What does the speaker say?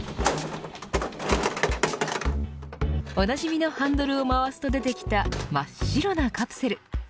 おなじみのハンドルを回すと出てきた真っ白なカプセル。